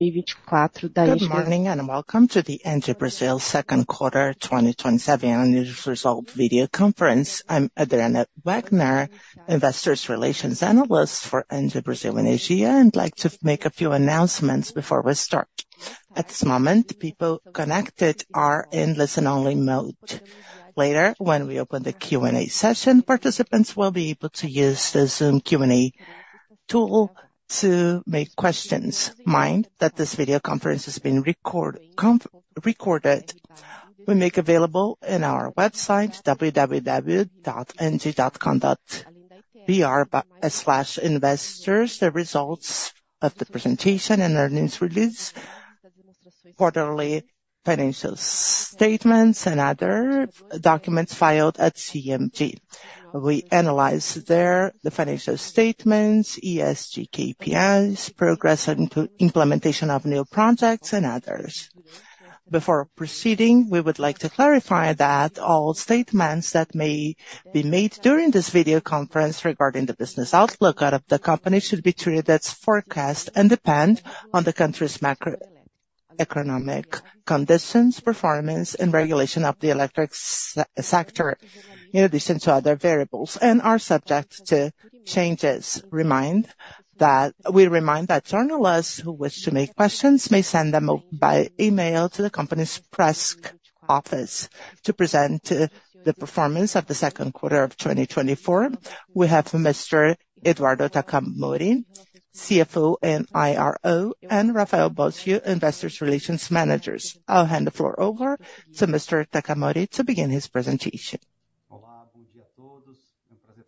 Good morning, and welcome to the ENGIE Brasil Energia second quarter 2027 earnings result video conference. I'm Adriana Wagner, Investor Relations Analyst for ENGIE Brasil Energia. I'd like to make a few announcements before we start. At this moment, people connected are in listen-only mode. Later, when we open the Q&A session, participants will be able to use the Zoom Q&A tool to make questions. Mind that this video conference is being recorded. We make available in our website, www.engie.com.br/investors, the results of the presentation and earnings release, quarterly financial statements, and other documents filed at CVM. We analyze there the financial statements, ESG, KPIs, progress into implementation of new projects and others. Before proceeding, we would like to clarify that all statements that may be made during this video conference regarding the business outlook of the company, should be treated as forecast, and depend on the country's macroeconomic conditions, performance, and regulation of the electric sector, in addition to other variables, and are subject to changes. We remind that journalists who wish to make questions may send them by email to the company's press office. To present the performance of the second quarter of 2024, we have Mr. Eduardo Takamori, CFO and IRO, and Rafael Bósio, Investor Relations Manager. I'll hand the floor over to Mr. Takamori to begin his presentation.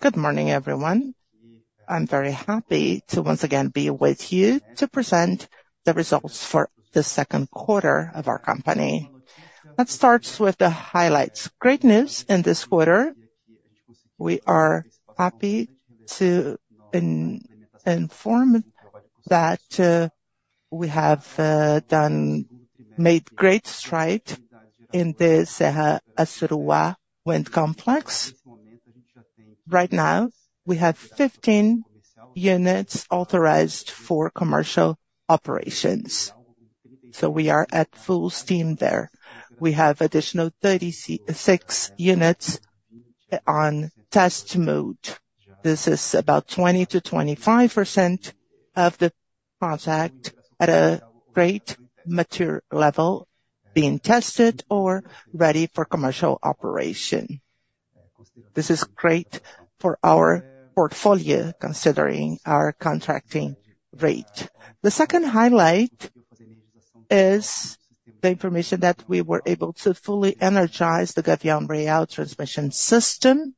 Good morning, everyone. I'm very happy to once again be with you to present the results for the second quarter of our company. Let's start with the highlights. Great news in this quarter. We are happy to inform that we have made great stride in the Serra do Assuruá Wind Complex. Right now, we have 15 units authorized for commercial operations, so we are at full steam there. We have additional 36 units on test mode. This is about 20%-25% of the contract at a great mature level, being tested or ready for commercial operation. This is great for our portfolio, considering our contracting rate. The second highlight is the information that we were able to fully energize the Gavião Real Transmission System.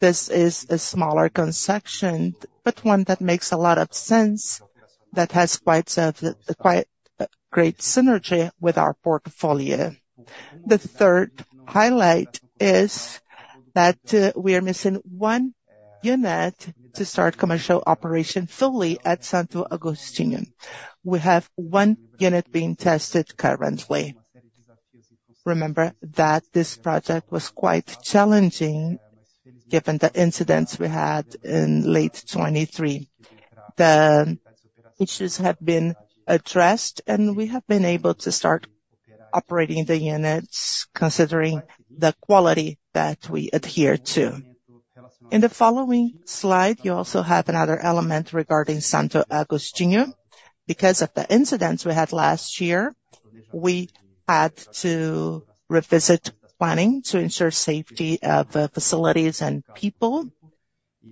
This is a smaller conception, but one that makes a lot of sense that has quite a great synergy with our portfolio. The third highlight is that we are missing one unit to start commercial operation fully at Santo Agostinho Wind Complex. We have one unit being tested currently. Remember that this project was quite challenging, given the incidents we had in late 2023. The issues have been addressed, and we have been able to start operating the units, considering the quality that we adhere to. In the following slide, you also have another element regarding Santo Agostinho. Because of the incidents we had last year, we had to revisit planning to ensure safety of facilities and people,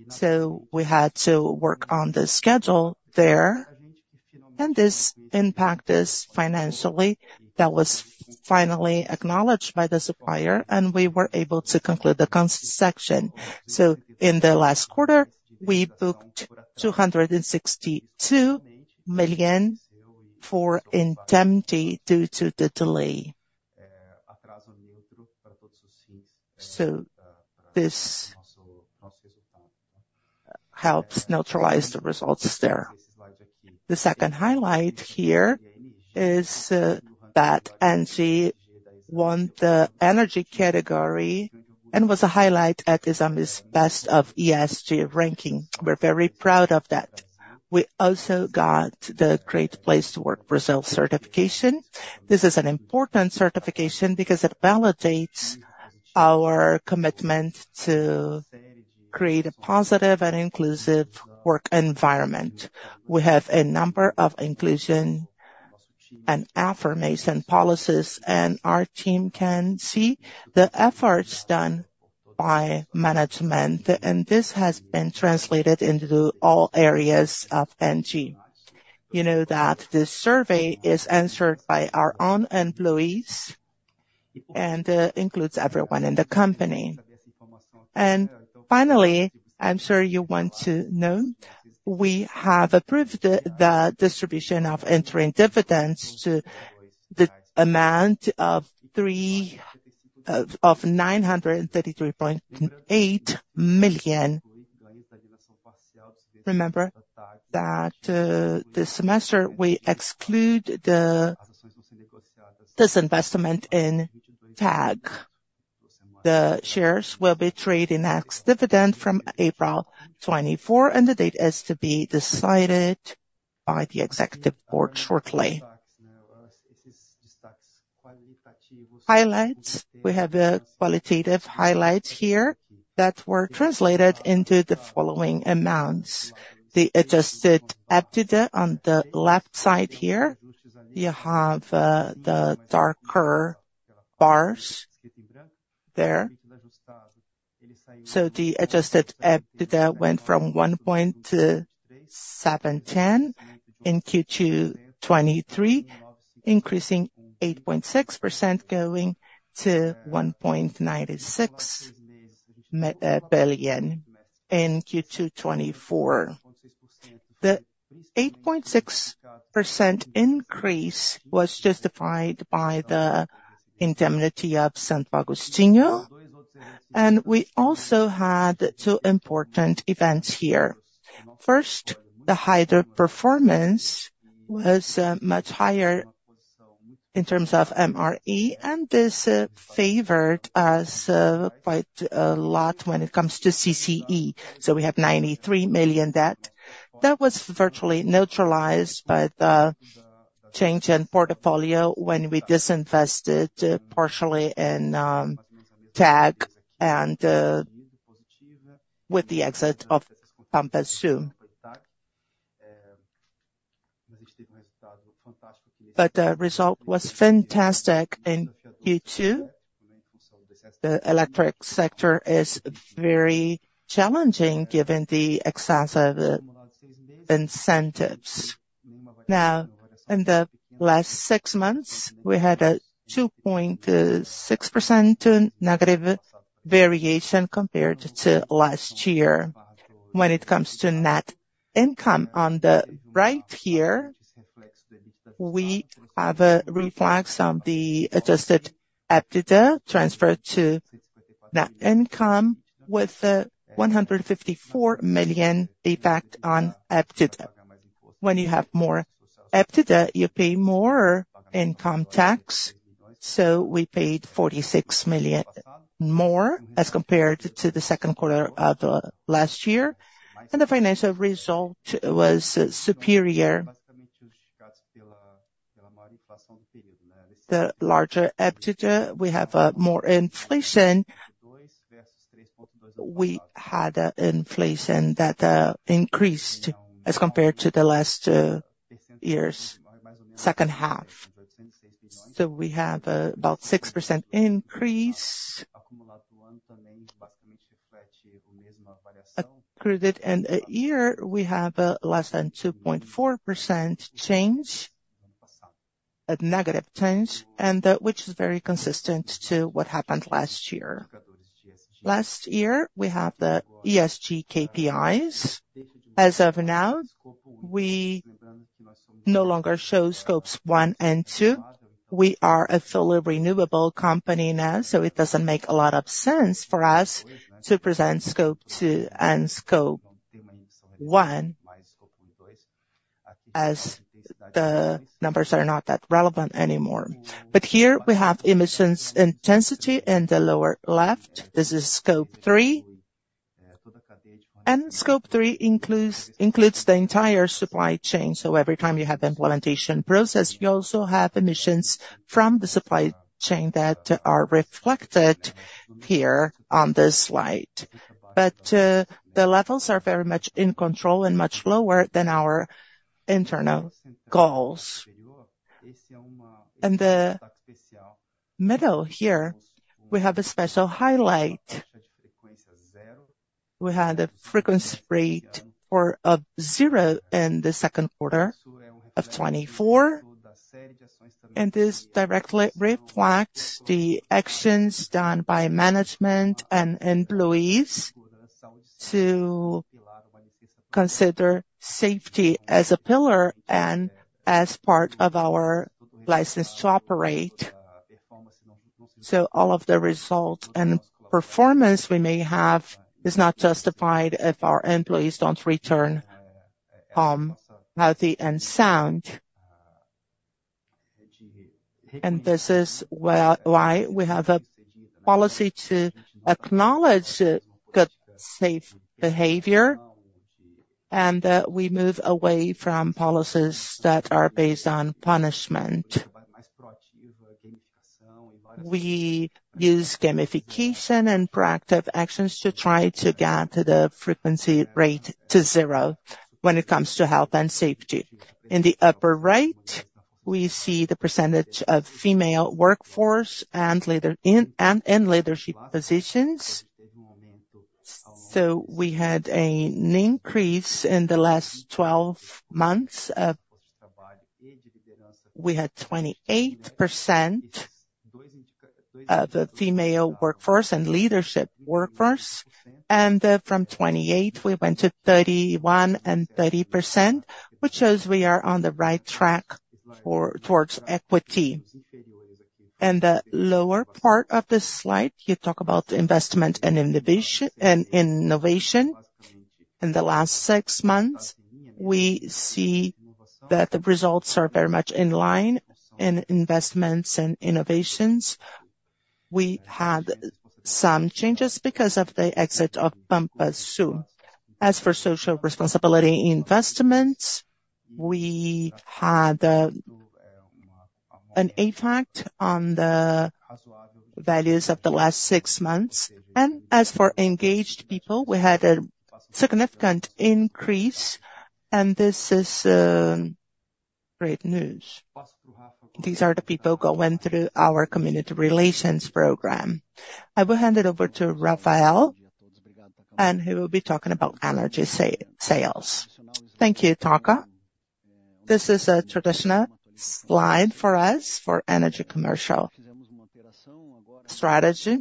so we had to work on the schedule there, and this impact is financially. That was finally acknowledged by the supplier, and we were able to conclude the section. So in the last quarter, we booked 262 million for indemnity due to the delay. So this helps neutralize the results there. The second highlight here is that ENGIE won the energy category, and was a highlight at the Exame's Best of ESG ranking. We're very proud of that. We also got the Great Place to Work Brazil certification. This is an important certification, because it validates our commitment to create a positive and inclusive work environment. We have a number of inclusion and affirmation policies, and our team can see the efforts done by management, and this has been translated into all areas of ENGIE. You know that this survey is answered by our own employees and includes everyone in the company. And finally, I'm sure you want to know, we have approved the distribution of interim dividends to the amount of 933.8 million. Remember that this semester, we exclude this investment in TAG. The shares will be trading ex-dividend from April 24, 2024, and the date is to be decided by the executive board shortly. Highlights. We have qualitative highlights here that were translated into the following amounts. The adjusted EBITDA on the left side here, you have the darker bars there. So the adjusted EBITDA went from 1.07 to 1.10 billion in Q2 2023, increasing 8.6%, going to BRL 1.96 billion in Q2 2024. The 8.6% increase was justified by the indemnity of Santo Agostinho, and we also had two important events here. First, the hydro performance was much higher in terms of MRE, and this favored us quite a lot when it comes to CCEE. So we have 93 million debt. That was virtually neutralized by the change in portfolio when we disinvested partially in TAG and with the exit of Pampa Sul. But the result was fantastic in Q2. The electric sector is very challenging, given the excess of incentives. Now, in the last six months, we had a 2.6% negative variation compared to last year. When it comes to net income, on the right here, we have a reflection of the adjusted EBITDA transferred to net income, with 154 million effect on EBITDA. When you have more EBITDA, you pay more income tax, so we paid 46 million more as compared to the second quarter of last year, and the financial result was superior. The larger EBITDA, we have, more inflation. We had an inflation that increased as compared to the last year's second half. So we have about 6% increase. Accrued in a year, we have less than 2.4% change, a negative change, and which is very consistent to what happened last year. Last year, we have the ESG KPIs. As of now, we no longer show Scope one and two. We are a fully renewable company now, so it doesn't make a lot of sense for us to present Scope two and Scope one, as the numbers are not that relevant anymore. But here we have emissions intensity in the lower left. This is Scope three, and Scope three includes the entire supply chain, so every time you have implementation process, you also have emissions from the supply chain that are reflected here on this slide. But the levels are very much in control and much lower than our internal goals. In the middle here, we have a special highlight. We had a frequency rate of zero in the second quarter of 2024, and this directly reflects the actions done by management and employees to consider safety as a pillar and as part of our license to operate. So all of the results and performance we may have is not justified if our employees don't return healthy and sound. And this is why we have a policy to acknowledge good safe behavior, and we move away from policies that are based on punishment. We use gamification and proactive actions to try to get the frequency rate to zero when it comes to health and safety. In the upper right, we see the percentage of female workforce and leadership positions. So we had an increase in the last 12 months of... We had 28% of the female workforce and leadership workforce, and from 28, we went to 31% and 30%, which shows we are on the right track towards equity. In the lower part of this slide, you talk about investment and innovation. In the last six months, we see that the results are very much in line in investments and innovations. We had some changes because of the exit of Pampa Sul. As for social responsibility investments, we had an impact on the values of the last six months. And as for engaged people, we had a significant increase, and this is great news. These are the people going through our community relations program. I will hand it over to Rafael, and he will be talking about energy sales. Thank you, Taka. This is a traditional slide for us, for energy commercial strategy.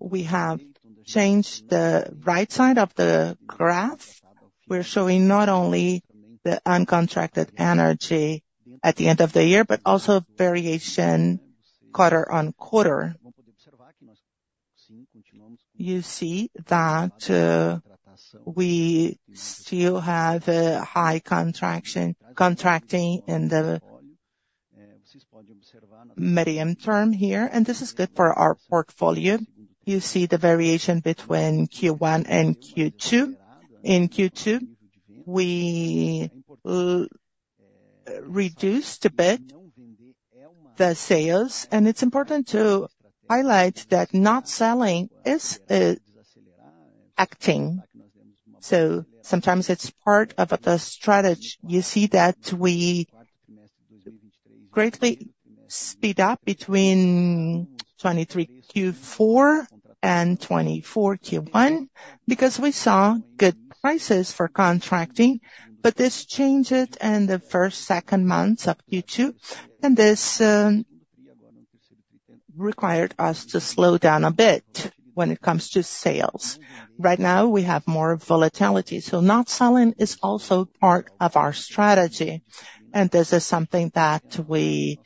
We have changed the right side of the graph. We're showing not only the uncontracted energy at the end of the year, but also variation quarter on quarter. You see that we still have a high contraction, contracting in the medium term here, and this is good for our portfolio. You see the variation between Q1 and Q2. In Q2, we reduced a bit the sales, and it's important to highlight that not selling is acting. So sometimes it's part of the strategy. You see that we greatly speed up between 2023 Q4 and 2024 Q1, because we saw good prices for contracting, but this changed in the first two months of Q2, and this required us to slow down a bit when it comes to sales. Right now, we have more volatility, so not selling is also part of our strategy, and this is something that we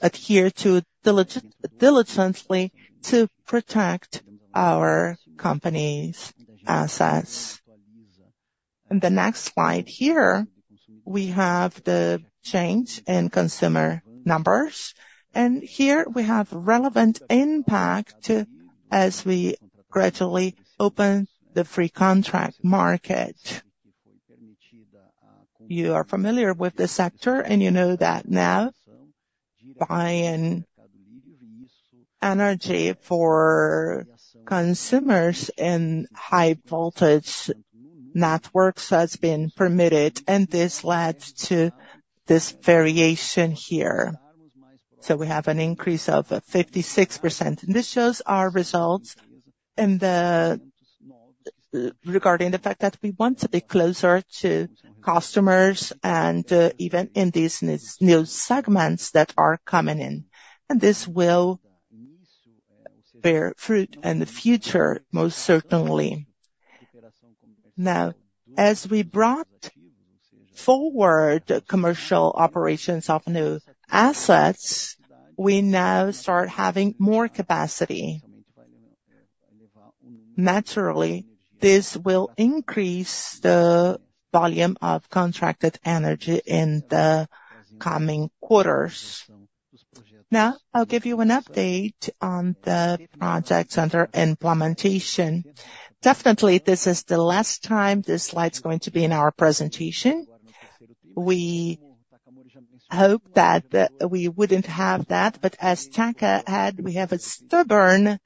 adhere to diligent, diligently to protect our company's assets. In the next slide here, we have the change in consumer numbers, and here we have relevant impact as we gradually open the free contract market. You are familiar with the sector, and you know that now, buying energy for consumers in high voltage networks has been permitted, and this led to this variation here. So we have an increase of 56%. And this shows our results in the, regarding the fact that we want to be closer to customers and, even in these new, new segments that are coming in. And this will bear fruit in the future, most certainly. Now, as we brought forward commercial operations of new assets, we now start having more capacity. Naturally, this will increase the volume of contracted energy in the coming quarters. Now, I'll give you an update on the projects under implementation. Definitely, this is the last time this slide's going to be in our presentation. We hope that, we wouldn't have that, but as Taka had, we have a stubborn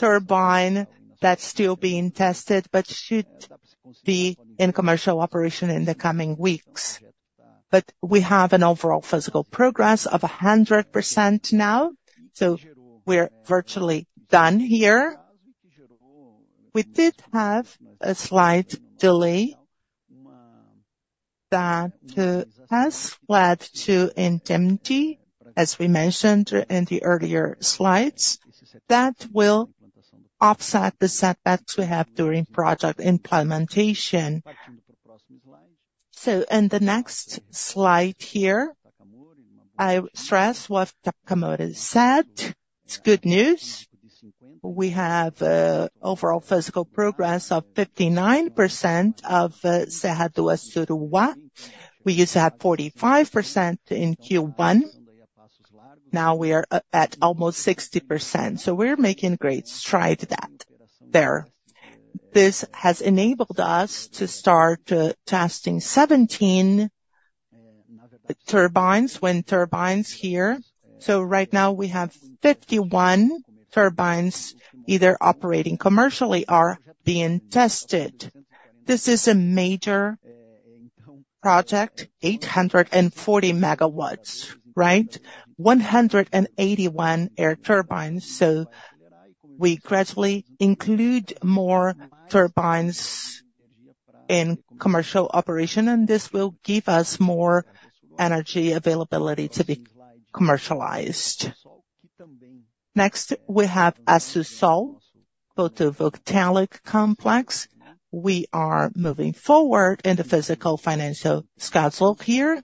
turbine that's still being tested, but should be in commercial operation in the coming weeks. But we have an overall physical progress of 100% now, so we're virtually done here. We did have a slight delay that, has led to indemnity, as we mentioned in the earlier slides, that will offset the setbacks we have during project implementation. So in the next slide here, I stress what Takamori said. It's good news. We have, overall physical progress of 59% of Serra do Assuruá. We used to have 45% in Q1. Now we are at almost 60%, so we're making great strides there. This has enabled us to start testing 17 turbines, wind turbines here. So right now, we have 51 turbines, either operating commercially or being tested. This is a major project, 840 MWh, right? 181 air turbines. So we gradually include more turbines in commercial operation, and this will give us more energy availability to be commercialized. Next, we have Assú Sol Photovoltaic Complex. We are moving forward in the physical, financial schedule here.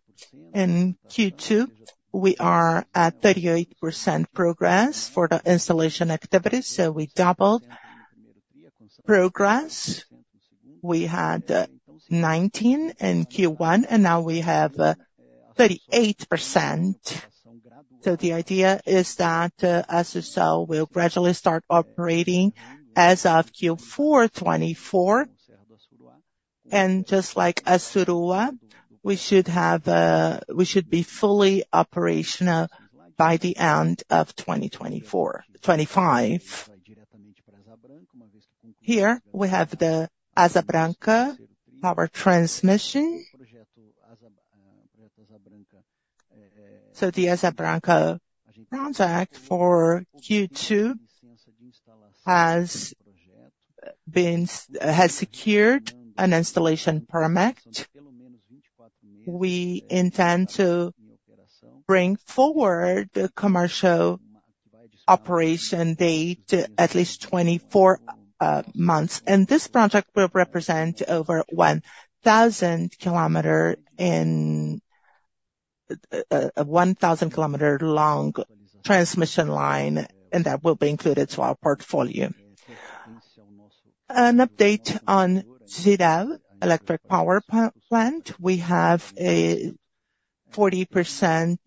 In Q2, we are at 38% progress for the installation activities, so we doubled progress. We had 19 in Q1, and now we have 38%. So the idea is that Assú Sol will gradually start operating as of Q4 2024. Just like Assú, we should be fully operational by the end of 2024, 2025. Here, we have the Asa Branca power transmission. So the Asa Branca contract for Q2 has secured an installation permit. We intend to bring forward the commercial operation date at least 24 months, and this project will represent over 1,000 kilometer in a 1,000 kilometer-long transmission line, and that will be included to our portfolio. An update on Jirau Hydroelectric Power Plant. We have a 40%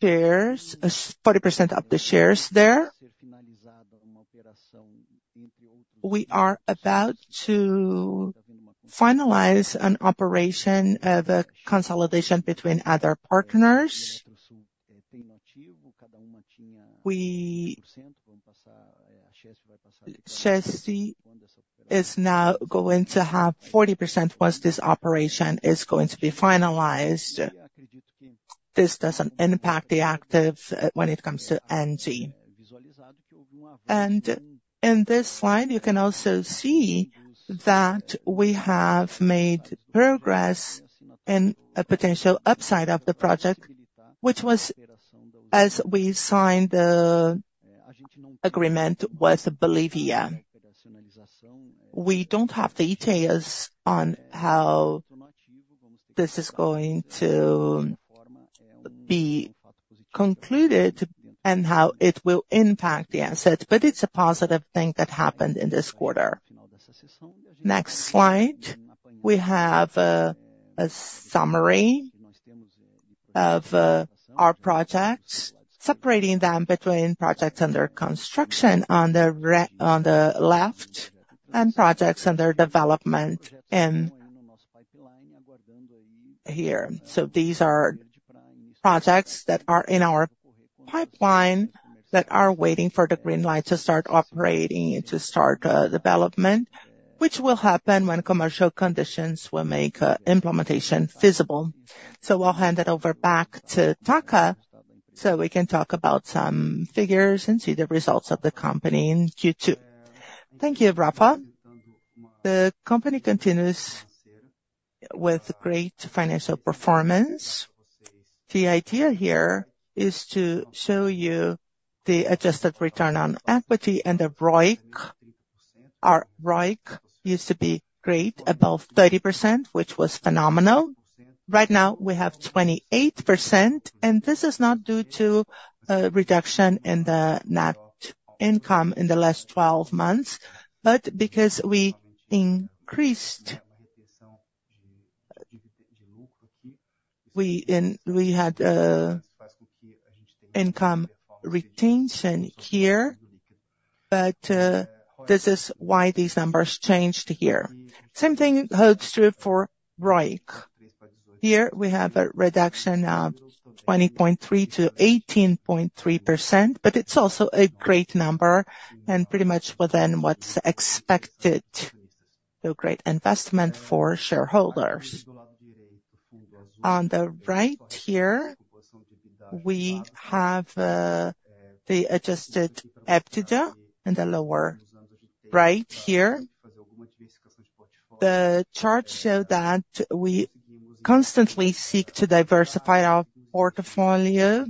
shares, 40% of the shares there. We are about to finalize an operation of a consolidation between other partners. CSN is now going to have 40% once this operation is going to be finalized. This doesn't impact the active when it comes toENGIE. And in this slide, you can also see that we have made progress in a potential upside of the project, which was as we signed the agreement with Bolivia. We don't have details on how this is going to be concluded and how it will impact the asset, but it's a positive thing that happened in this quarter. Next slide, we have a summary of our projects, separating them between projects under construction on the left, and projects under development in here. So these are projects that are in our pipeline, that are waiting for the green light to start operating and to start development, which will happen when commercial conditions will make implementation feasible. So I'll hand it over back to Taka, so we can talk about some figures and see the results of the company in Q2. Thank you, Rafa. The company continues with great financial performance. The idea here is to show you the adjusted return on equity and the ROIC. Our ROIC used to be great, above 30%, which was phenomenal. Right now, we have 28%, and this is not due to a reduction in the net income in the last 12 months, but because we increased... We, and we had, income retention here, but, this is why these numbers changed here. Same thing holds true for ROIC. Here, we have a reduction of 20.3%-18.3%, but it's also a great number and pretty much within what's expected. So great investment for shareholders. On the right here, we have, the adjusted EBITDA, in the lower right here. The charts show that we constantly seek to diversify our portfolio.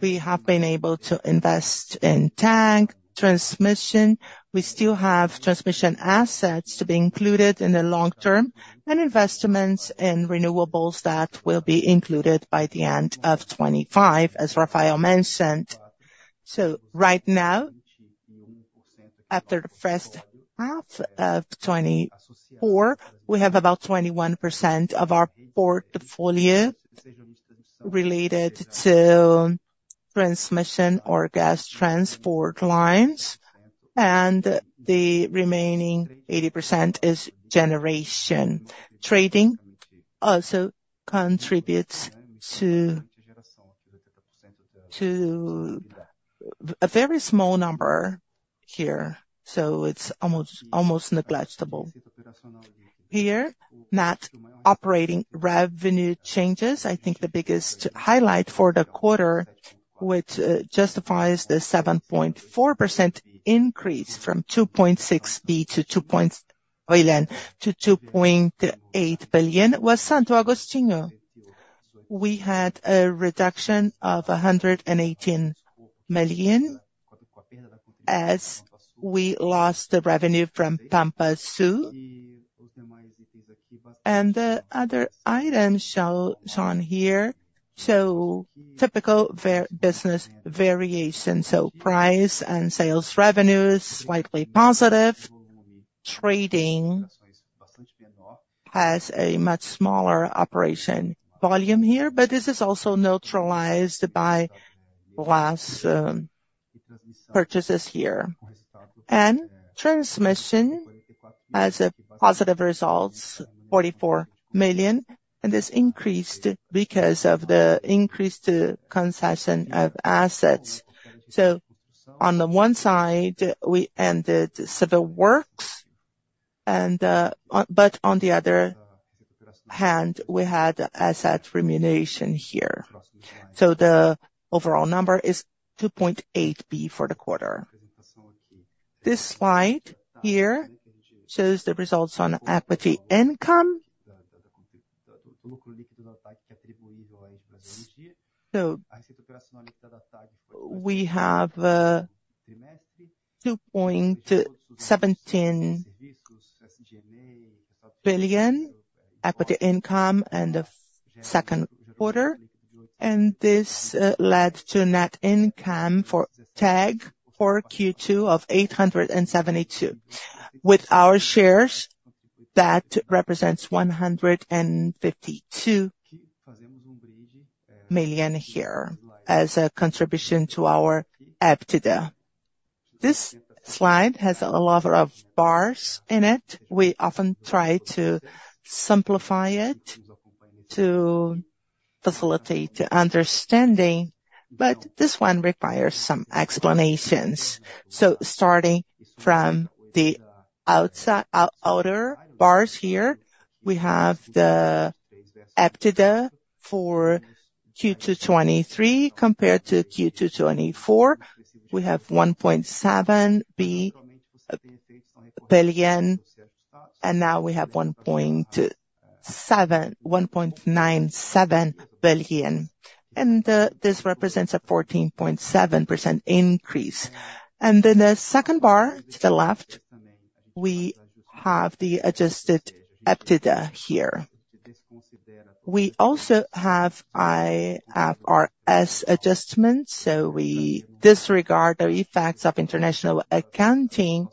We have been able to invest in TAG, transmission. We still have transmission assets to be included in the long term, and investments in renewables that will be included by the end of 2025, as Rafael mentioned. So right now, after the first half of 2024, we have about 21% of our portfolio related to transmission or gas transport lines, and the remaining 80% is generation. Trading also contributes to a very small number here, so it's almost negligible. Here, net operating revenue changes. I think the biggest highlight for the quarter, which justifies the 7.4% increase from 2.6 billion to 2.8 billion, was Santo Agostinho. We had a reduction of 118 million, as we lost the revenue from Pampa Sul. The other items shown here show typical business variation. So price and sales revenues, slightly positive. Trading has a much smaller operation volume here, but this is also neutralized by last purchases here. Transmission has a positive results, 44 million, and this increased because of the increased concession of assets. So on the one side, we ended civil works, and but on the other hand, we had asset remuneration here. So the overall number is 2.8 billion for the quarter. This slide here shows the results on equity income. So we have 2.17 billion equity income in the second quarter, and this led to net income for TAG for Q2 of 872 million. With our shares, that represents 152 million here as a contribution to our EBITDA. This slide has a lot of bars in it. We often try to simplify it to facilitate the understanding, but this one requires some explanations. So starting from the outside, outer bars here, we have the EBITDA for Q2 2023 compared to Q2 2024. We have 1.7 billion, and now we have 1.97 billion, and this represents a 14.7% increase. And then the second bar to the left, we have the adjusted EBITDA here. We also have IFRS adjustments, so we disregard the effects of international accounting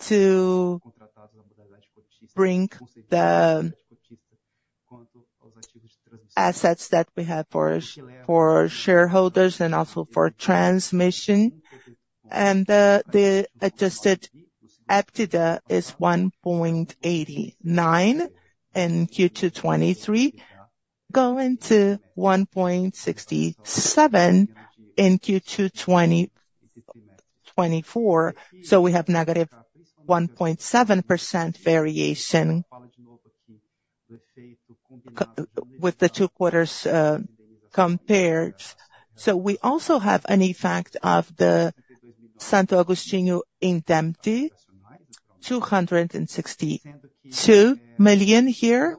to bring the assets that we have for, for shareholders and also for transmission. And the adjusted EBITDA is 1.89 billion in Q2 2023, going to BRL 1.67 billion in Q2 2024. So we have negative 1.7% variation with the two quarters, compared. So we also have an effect of the Santo Agostinho indemnity, 262 million here.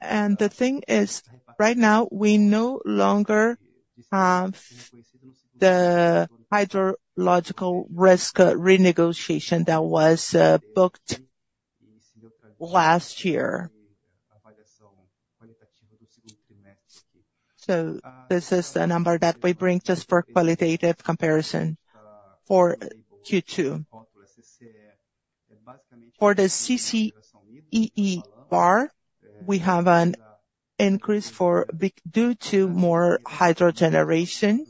And the thing is, right now, we no longer have the hydrological risk renegotiation that was booked last year. So this is the number that we bring just for qualitative comparison for Q2. For the CCEE bar, we have an increase due to more hydro generation.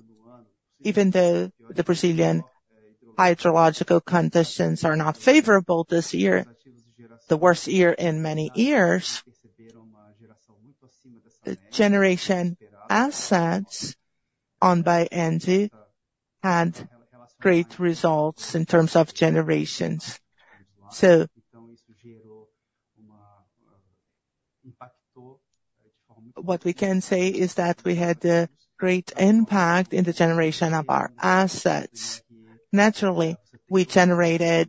Even though the Brazilian hydrological conditions are not favorable this year, the worst year in many years, the generation assets owned by ENGIE had great results in terms of generations. So, what we can say is that we had a great impact in the generation of our assets. Naturally, we generated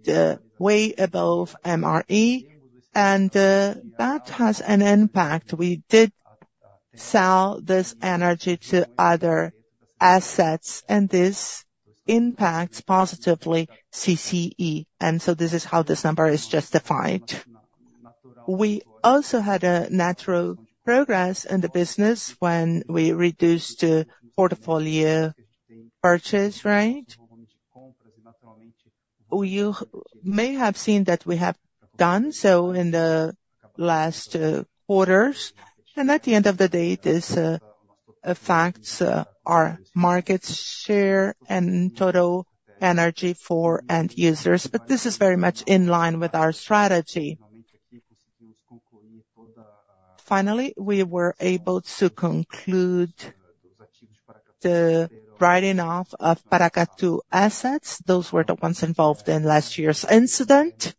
way above MRE, and that has an impact. We did sell this energy to other assets, and this impacts positively CCEE, and so this is how this number is justified. We also had a natural progress in the business when we reduced the portfolio purchase, right? You may have seen that we have done so in the last quarters, and at the end of the day, this affects our market share and total energy for end users, but this is very much in line with our strategy. Finally, we were able to conclude the writing off of Paracatu assets. Those were the ones involved in last year's incident.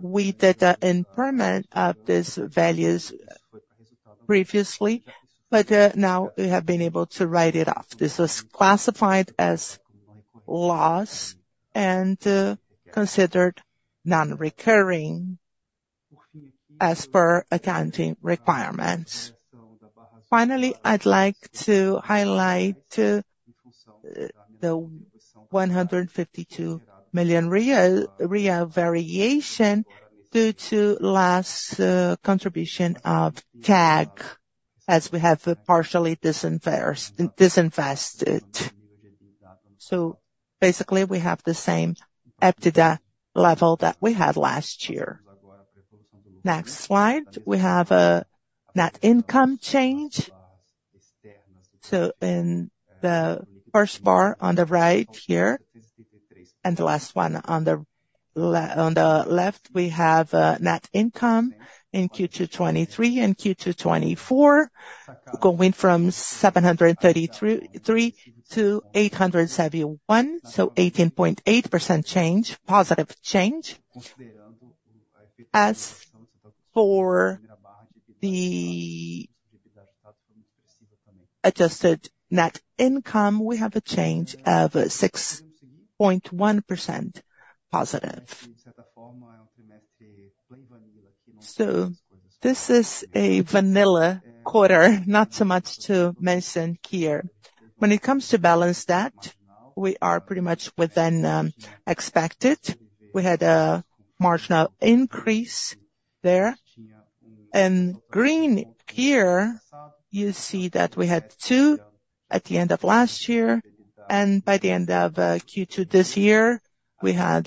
We did an impairment of these values previously, but now we have been able to write it off. This was classified as loss and considered non-recurring, as per accounting requirements. Finally, I'd like to highlight the 152 million real variation due to last contribution of TAG, as we have partially disinvested. So basically, we have the same EBITDA level that we had last year. Next slide, we have a net income change. In the first bar on the right here, and the last one on the left, we have net income in Q2 2023 and Q2 2024, going from 733.3 to 871, so 18.8% change, positive change. As for the adjusted net income, we have a change of 6.1% positive. This is a vanilla quarter, not so much to mention here. When it comes to balance that, we are pretty much within expected. We had a marginal increase there. In green here, you see that we had two at the end of last year, and by the end of Q2 this year, we had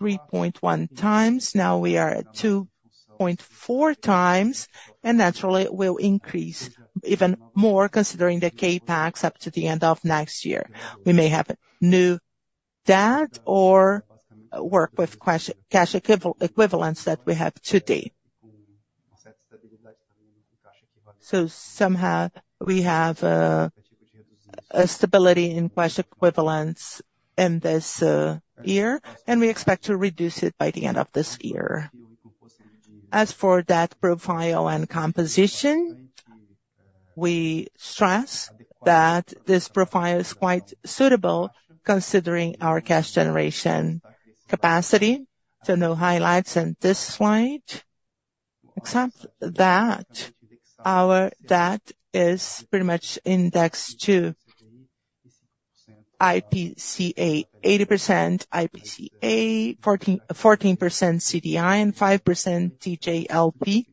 3.1 times. Now we are at 2.4 times, and naturally, it will increase even more considering the CapEx up to the end of next year. We may have a new debt or work with cash equivalence that we have today. So somehow, we have a stability in cash equivalence in this year, and we expect to reduce it by the end of this year. As for debt profile and composition, we stress that this profile is quite suitable, considering our cash generation capacity. So no highlights in this slide, except that our debt is pretty much indexed to IPCA, 80% IPCA, 14, 14% CDI, and 5% TJLP.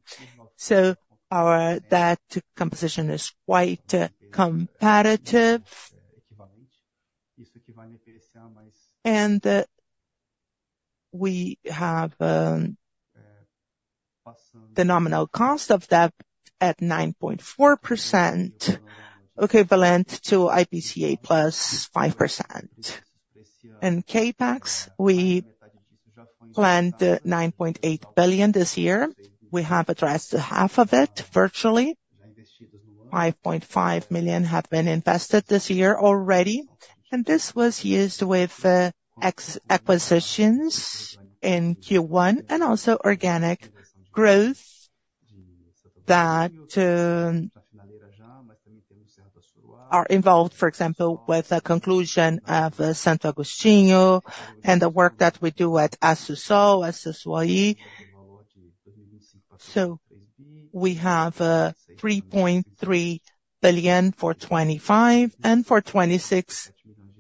So our debt composition is quite competitive. We have the nominal cost of debt at 9.4%, equivalent to IPCA plus 5%. In CapEx, we planned 9.8 billion this year. We have addressed half of it, virtually. 5.5 million have been invested this year already, and this was used with acquisitions in Q1 and also organic growth that are involved, for example, with the conclusion of Santo Agostinho and the work that we do at Assú Sol, Assú Sol. So we have 3.3 billion for 2025, and for 2026,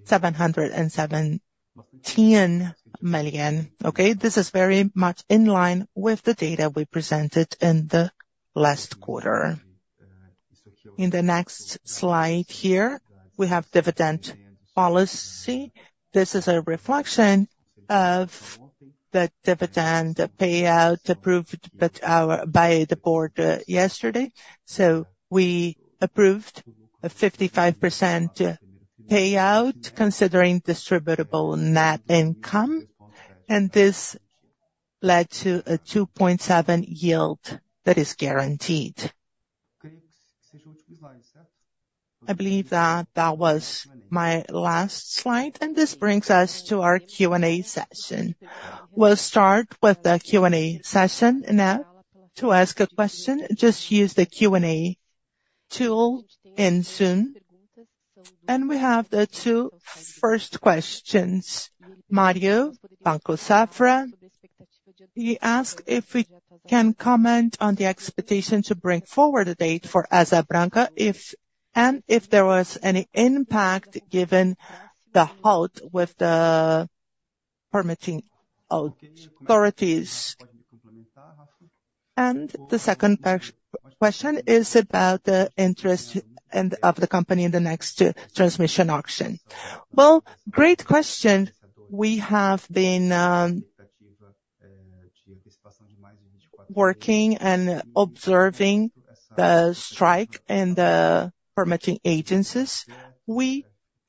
717 million, okay? This is very much in line with the data we presented in the last quarter. In the next slide here, we have dividend policy. This is a reflection of the dividend, the payout approved by the board yesterday. So we approved a 55% payout, considering distributable net income, and this led to a 2.7% yield that is guaranteed. I believe that that was my last slide, and this brings us to our Q&A session. We'll start with the Q&A session now. To ask a question, just use the Q&A tool in Zoom. And we have the two first questions. Mario, Banco Safra, he asked if we can comment on the expectation to bring forward a date for Asa Branca, if and if there was any impact, given the halt with the permitting authorities. And the second question is about the interest of the company in the next transmission auction. Well, great question. We have been working and observing the strike and the permitting agencies. We,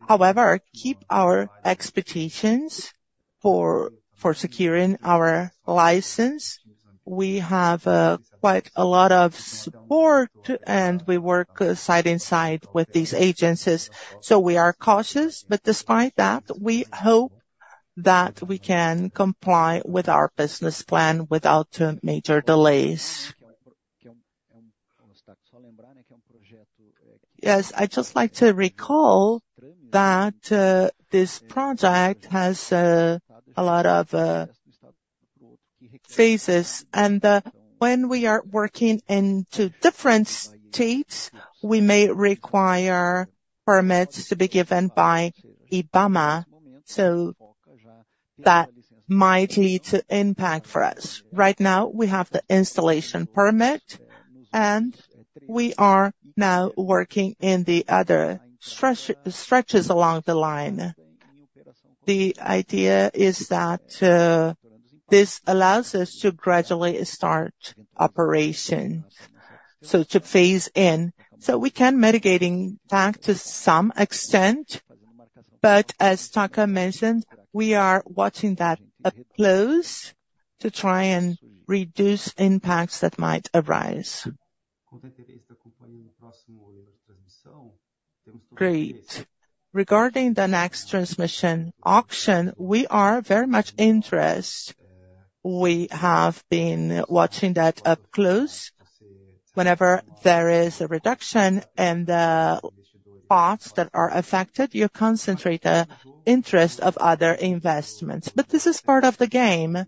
however, keep our expectations for securing our license. We have quite a lot of support, and we work side by side with these agencies, so we are cautious. But despite that, we hope that we can comply with our business plan without major delays. Yes, I'd just like to recall that this project has a lot of structured phases, and when we are working in different states, we may require permits to be given by IBAMA, so that might lead to impacts for us. Right now, we have the installation permit, and we are now working in the other stretches along the line. The idea is that this allows us to gradually start operations, so to phase in. So we can mitigate that to some extent, but as Taka mentioned, we are watching that up close to try and reduce impacts that might arise. Great. Regarding the next transmission auction, we are very much interested. We have been watching that up close. Whenever there is a reduction in the parts that are affected, you concentrate the interest of other investments. But this is part of the game,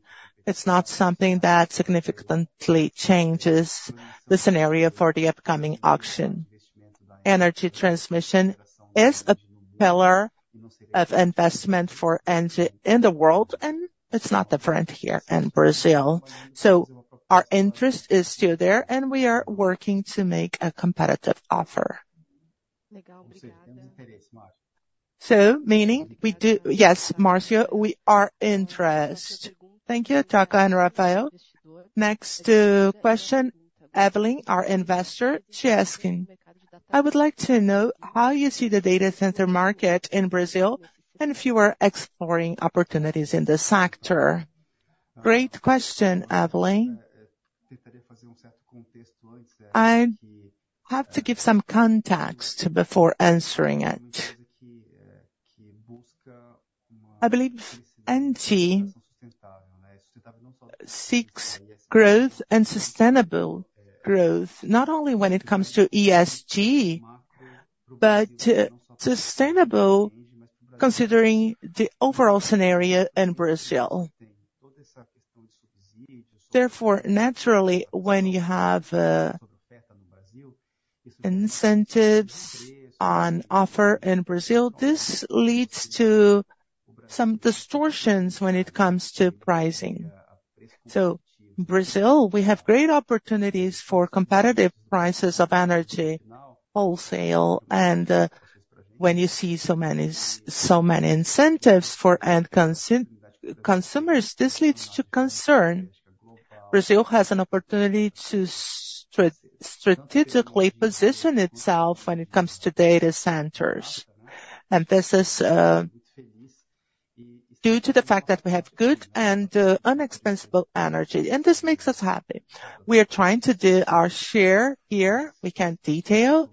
it's not something that significantly changes the scenario for the upcoming auction. Energy transmission is a pillar of investment for ENGIE in the world, and it's not different here in Brazil. So our interest is still there, and we are working to make a competitive offer. So, meaning we do. Yes, Mario, we are interested. Thank you, Taka and Rafael. Next question, Evelyn, our investor, she's asking: I would like to know how you see the data center market in Brazil, and if you are exploring opportunities in this sector? Great question, Evelyn. I have to give some context before answering it. I believe ENGIE seeks growth and sustainable growth, not only when it comes to ESG, but sustainable considering the overall scenario in Brazil. Therefore, naturally, when you have incentives on offer in Brazil, this leads to some distortions when it comes to pricing. So Brazil, we have great opportunities for competitive prices of energy, wholesale, and when you see so many incentives for end consumers, this leads to concern. Brazil has an opportunity to strategically position itself when it comes to data centers, and this is due to the fact that we have good and inexpensive energy, and this makes us happy. We are trying to do our share here. We can't detail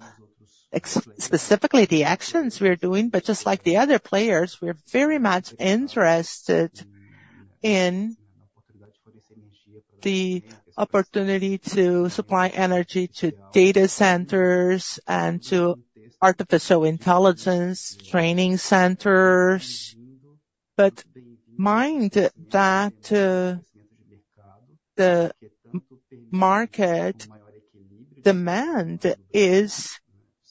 specifically the actions we are doing, but just like the other players, we are very much interested in the opportunity to supply energy to data centers and to artificial intelligence training centers. But mind that, the market demand is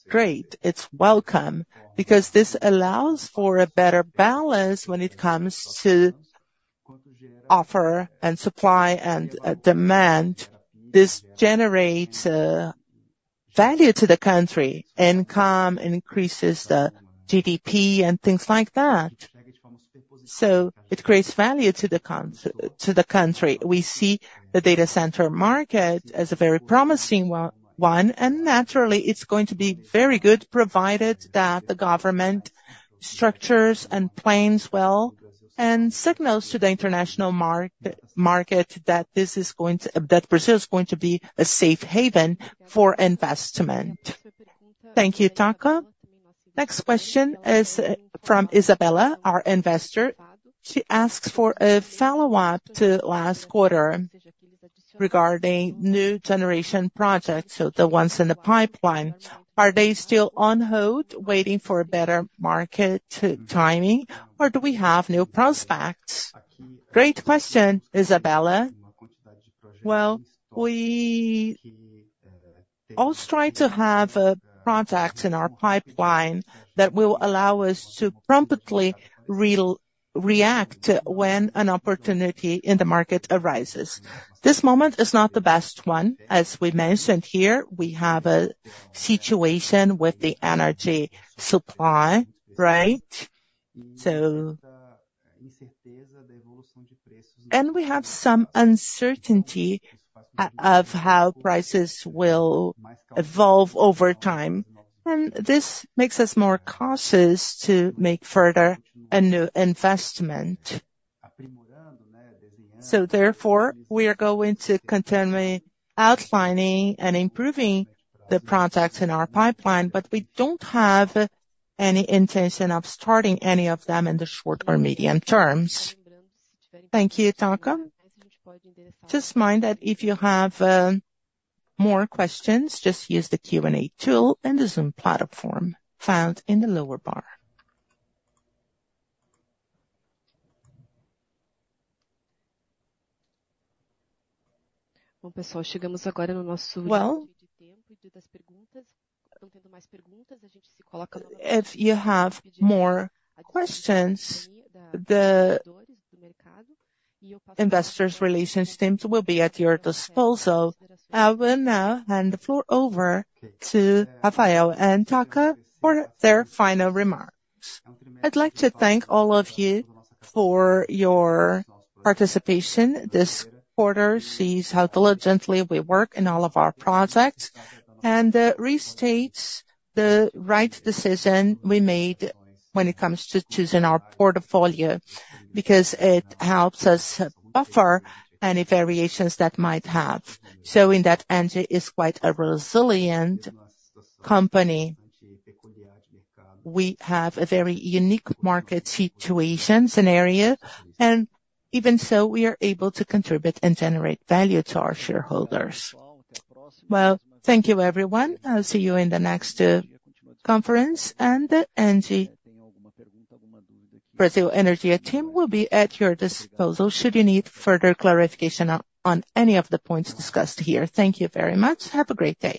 great, it's welcome, because this allows for a better balance when it comes to offer and supply and, demand. This generates, value to the country, income, and increases the GDP and things like that. So it creates value to the country. We see the data center market as a very promising one, and naturally, it's going to be very good, provided that the government structures and plans well, and signals to the international market that this is going to-- that Brazil is going to be a safe haven for investment. Thank you, Taka. Next question is from Isabella, our investor. She asks for a follow-up to last quarter regarding new generation projects, so the ones in the pipeline. Are they still on hold, waiting for a better market timing, or do we have new prospects? Great question, Isabella. Well, we always try to have projects in our pipeline that will allow us to promptly react when an opportunity in the market arises. This moment is not the best one. As we mentioned here, we have a situation with the energy supply, right? So... we have some uncertainty of how prices will evolve over time, and this makes us more cautious to make further and new investment. So therefore, we are going to continue outlining and improving the projects in our pipeline, but we don't have any intention of starting any of them in the short or medium terms. Thank you, Taka. Just mind that if you have more questions, just use the Q&A tool in the Zoom platform, found in the lower bar. Well, if you have more questions, the investors' relations teams will be at your disposal. I will now hand the floor over to Rafael and Takamori for their final remarks. I'd like to thank all of you for your participation this quarter, see how diligently we work in all of our projects, and restates the right decision we made when it comes to choosing our portfolio, because it helps us buffer any variations that might have, showing that ENGIE is quite a resilient company. We have a very unique market situation scenario, and even so, we are able to contribute and generate value to our shareholders. Well, thank you, everyone. I'll see you in the next conference. And the ENGIE Brasil Energia team will be at your disposal, should you need further clarification on any of the points discussed here. Thank you very much. Have a great day.